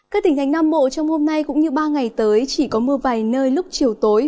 các tỉnh thành nam bộ trong hôm nay cũng như ba ngày tới chỉ có mưa vài nơi lúc chiều tối